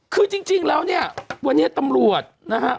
คือจริงแล้วเนี่ยวันนี้ตำรวจนะฮะ